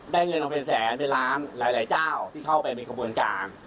เงินมาเป็นแสนเป็นล้านหลายเจ้าที่เข้าไปในกระบวนการ